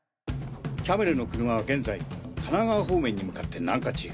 キャメルの車は現在神奈川方面に向かって南下中。